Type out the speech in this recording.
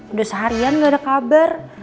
udah seharian nggak ada kabar